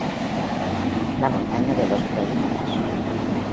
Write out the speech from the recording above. La montaña de los prodigios.